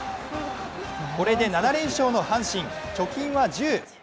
これで７連勝の阪神、貯金は１０。